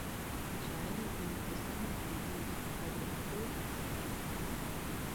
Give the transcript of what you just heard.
شاعر محمد حسين غمګين پر وعدو تبصره کوله.